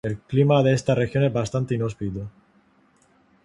El clima en esta región es bastante inhóspito.